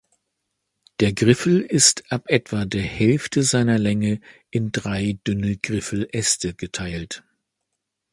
Der Griffel ist ab etwa der Hälfte seiner Länge in drei dünne Griffeläste geteilt.